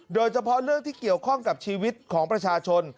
โดยเฉพาะเรื่องที่เกี่ยวข้องกับชีวิตของประชาชน